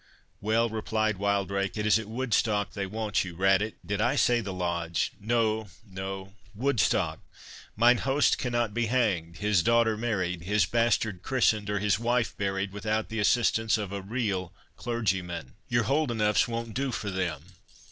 "Well," replied Wildrake, "it is at Woodstock they want you.—Rat it, did I say the Lodge?—No, no—Woodstock—Mine host cannot be hanged—his daughter married—his bastard christened, or his wife buried—without the assistance of a real clergyman—Your Holdenoughs won't do for them.